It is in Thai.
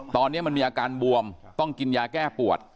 ตอนนี้มันมีอาการบวมต้องกินยาแก้ปวด